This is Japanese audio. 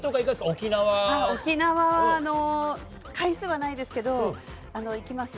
沖縄は回数はないですけど、行きます。